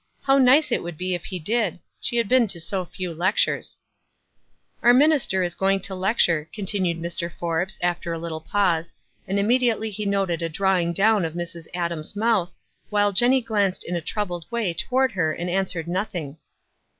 How nice it would be if he did. She had been to so few iectures. 94 WISE AND OTHERWISE. "Our minister is going to lecture," continued Mr. Forbes, after a little pause, and immediately he noted a drawing down of Mrs. Adams' mouth, while Jenny glanced in a troubled way toward her, and answered nothing.